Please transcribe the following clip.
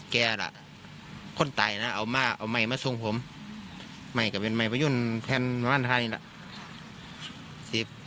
แกร่ะคนตายนะเอาไม่มาคงส่งผมไม่กับปริยุหนุนแพนประมาณทั้งนี้แหละ